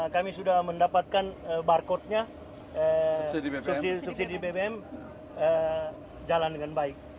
kami sudah mendapatkan barcode nya subsidi bbm jalan dengan baik